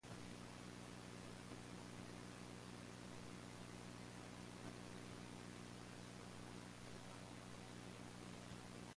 Julian settles in Gaul where he successfully fights back rebelling Gaulish tribes.